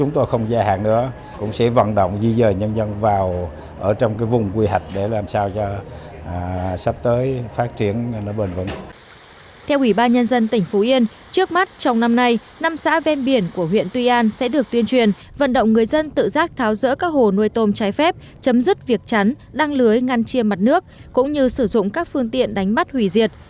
theo ủy ban nhân dân tỉnh phú yên trước mắt trong năm nay năm xã ven biển của huyện tuy an sẽ được tuyên truyền vận động người dân tự giác tháo rỡ các hồ nuôi tôm trái phép chấm dứt việc chắn đăng lưới ngăn chiêm mặt nước cũng như sử dụng các phương tiện đánh mắt hủy diệt